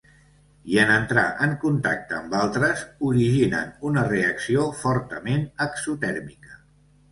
I en entrar en contacte amb altres originen una reacció fortament exotèrmica.